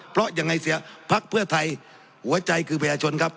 เพราะยังไงเสียพักเพื่อไทยหัวใจคือประชาชนครับ